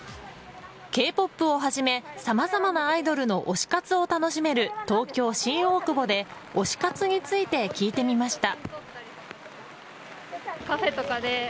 Ｋ‐ＰＯＰをはじめさまざまなアイドルの推し活を楽しめる東京・新久保で推し活について聞いてみました。